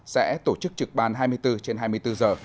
sẽ tổ chức trực ban hai mươi bốn trên hai mươi bốn giờ